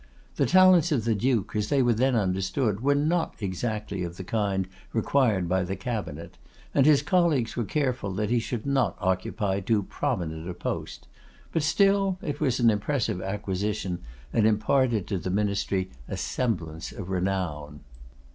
The talents of the Duke, as they were then understood, were not exactly of the kind most required by the cabinet, and his colleagues were careful that he should not occupy too prominent a post; but still it was an impressive acquisition, and imparted to the ministry a semblance of renown.